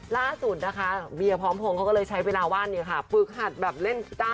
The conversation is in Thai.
ล่าสุดนะคะเบียพร้อมโพงเขาก็เลยใช้เวลาว่าปรึกหัดแบบเล่นกีตาร์